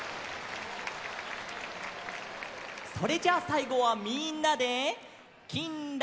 それじゃあさいごはみんなで「きんらきら」。